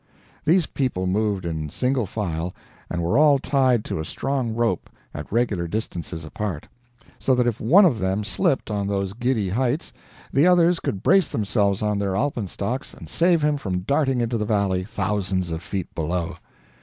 These people moved in single file, and were all tied to a strong rope, at regular distances apart, so that if one of them slipped on those giddy heights, the others could brace themselves on their alpenstocks and save him from darting into the valley, thousands of feet below.